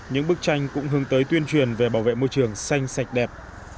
những bức tranh cũng hướng tới tuyên truyền về bảo vệ môi trường xanh sạch đẹp